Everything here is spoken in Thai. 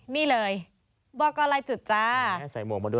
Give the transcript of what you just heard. นี่เลยบอกก่อนไรจุดจ้า